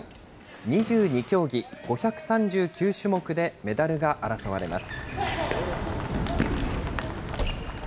２２競技５３９種目でメダルが争われます。